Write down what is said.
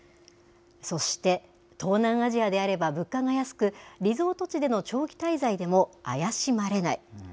そして、東南アジアであれば物価が安く、リゾート地での長期滞在でも怪しまれない。